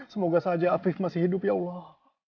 semoga saja afif masih hidup ya allah